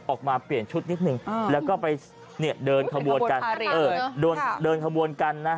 ออกมาเปลี่ยนชุดนิดหนึ่งและก็ไปเดินขบวนกัน